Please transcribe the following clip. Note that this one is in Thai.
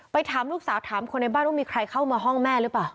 ถามลูกสาวถามคนในบ้านว่ามีใครเข้ามาห้องแม่หรือเปล่า